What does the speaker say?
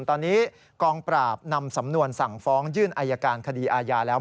ตอนนี้กองปราบนำสำนวนสั่งฟ้องยื่นอายการคดีอาญาแล้ว